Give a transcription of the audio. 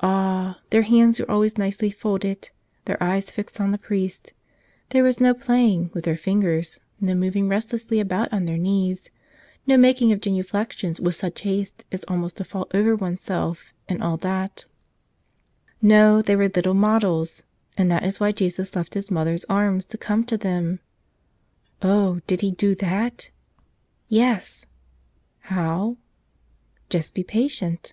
Ah! their hands were always nicely folded, their eyes fixed on the priest; there was no playing with their fingers, no moving restlessly about on their knees, no making of genuflections with such haste as almost to fall over oneself, and all that. No; they were little models! And that is why Jesus left His Mother's arms to come to them. Oh, did He do that? Yes! How? Just be patient.